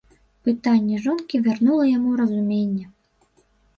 Пытанне жонкі вярнула яму разуменне.